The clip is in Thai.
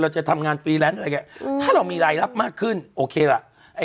จะทำงานฟรีแลนซ์อะไรอย่างนี้ถ้าเรามีรายรับมากขึ้นโอเคล่ะ